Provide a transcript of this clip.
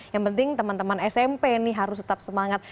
yang penting teman teman smp nih harus tetap semangat